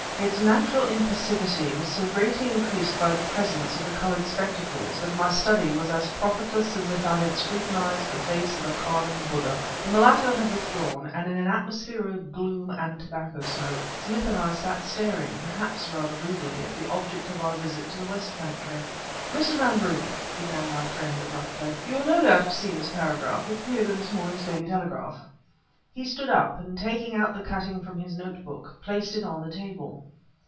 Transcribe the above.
Its natural impassivity was so greatly increased by the presence of the colored spectacles that my study was as profitless as if I had scrutinized the face of a carven Buddha. The mulatto had withdrawn, and in an atmosphere of gloom and tobacco smoke, Smith and I sat staring, perhaps rather rudely, at the object of our visit to the West Country. "Mr. Van Roon," began my friend abruptly, "you will no doubt have seen this paragraph. It appeared in this morning's Daily Telegraph." He stood up, and taking out the cutting from his notebook, placed it on the table.